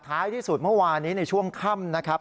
ท้ายที่สุดเมื่อวานนี้ในช่วงค่ำนะครับ